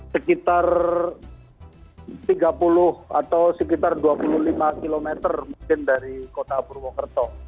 sekitar tiga puluh atau sekitar dua puluh lima km mungkin dari kota purwokerto